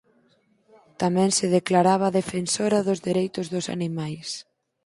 Tamén se declaraba defensora dos dereitos dos animais.